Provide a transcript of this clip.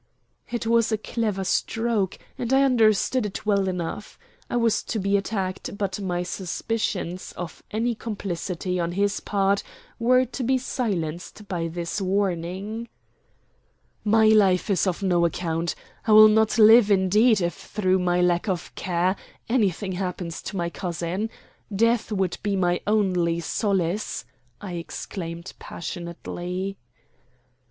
It was a clever stroke, and I understood it well enough. I was to be attacked, but my suspicions of any complicity on his part were to be silenced by this warning. "My life is of no account; I will not live, indeed, if, through my lack of care, anything happens to my cousin. Death would be my only solace!" I exclaimed passionately.